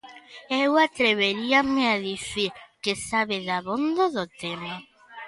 Eu atreveríame a dicir que sabe dabondo do tema.